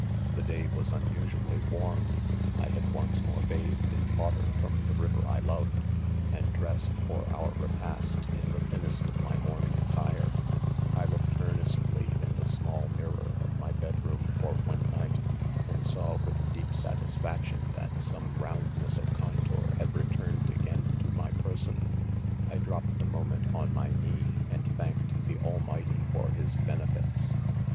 . 6 The day was unusually • warm, I had once more bathed in water from the river I loved. THE CONFESSIONS,, 175 and dressed, for our repast, in the thinnest of' my mourning attire, I looked earnestly in the small mirror of my bed ioom for oiie night, and saw with a deep satisfaction that some roundness of contour had returned again to my person. I dropped a moment, on my knee 3 and thanked the Almighty for his benefits.